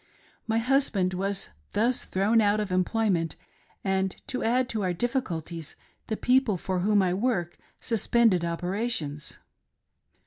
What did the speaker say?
My husband was thus thrown out of employment, and to add to our difficulties, the people for whom I worked suspended operations.